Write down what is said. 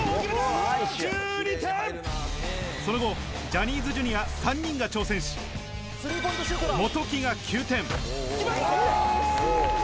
その後、ジャニーズＪｒ．３人が挑戦し、元木が９点。